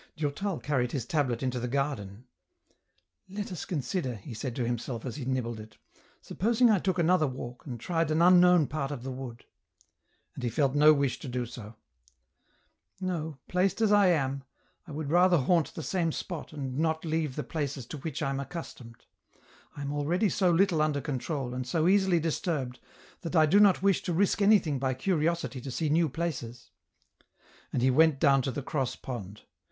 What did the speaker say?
Durtal carried his tablet into the garden. " Let us consider," he said to himself as he nibbled it ;" supposing I took another walk and tried an unknown part of the wood ?" And he felt no wish to do so. No, placed as I am, I would rather haunt the same spot and not leave the places to which I am accustomed ; I am already so little under control, and so easily disturbed, that I do not wish to risk anything by curiosity to see new places." And he weat 1 90 EN ROUTE. down to the cross pond.